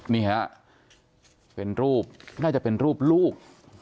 นี่ฮะเป็นรูปน่าจะเป็นรูปลูก